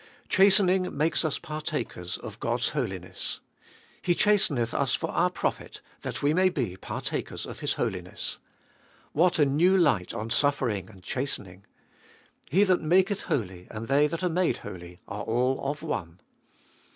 Chastening makes us partakers of God's holiness. He chasteneth us for our profit, that we may be partakers of His holiness. What a new light on suffering and chastening ! He that maketh holy and they that are made holy, are all of one.